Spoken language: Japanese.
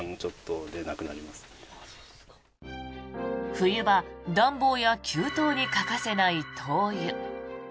冬場、暖房や給湯に欠かせない灯油。